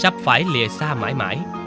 phải lìa xa mãi mãi